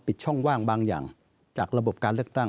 ช่องว่างบางอย่างจากระบบการเลือกตั้ง